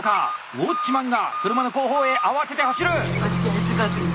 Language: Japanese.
ウォッチマンが車の後方へ慌てて走る！